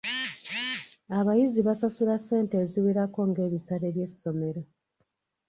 Abayizi basasula ssente eziwerako ng’ebisale by’essomero.